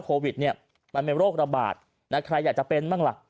โควิดเนี่ยมันเป็นโรคระบาดนะใครอยากจะเป็นบ้างล่ะ